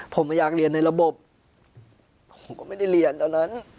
ผมไม่อยากเรียนในระบบผมก็ไม่ได้เรียนตอนนั้น